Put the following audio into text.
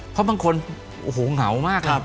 เพราะบางคนโอ้โหเหงามากเลย